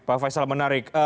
pak faisal menarik